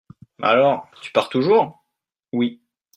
Alors, tu pars toujours ? Oui.